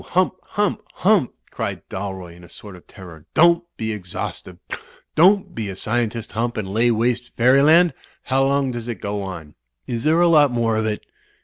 Hump! Hump! Hump!'' cried Dalroy in a sort of terror. "Don't be exhaustive! Don't be a scientist. Hump, and lay waste fairyland! How long does it go on? Is there a lot more of it?"